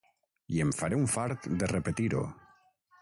I em faré un fart de repetir-ho.